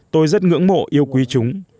tôi rất ngưỡng mộ yêu quý chúng